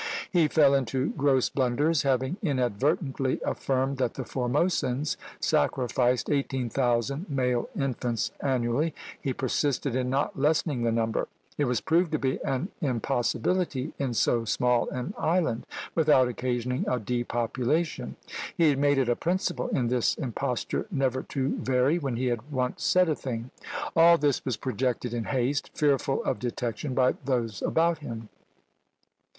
He fell into gross blunders; having inadvertently affirmed that the Formosans sacrificed eighteen thousand male infants annually, he persisted in not lessening the number. It was proved to be an impossibility in so small an island, without occasioning a depopulation. He had made it a principle in this imposture never to vary when he had once said a thing. All this was projected in haste, fearful of detection by those about him.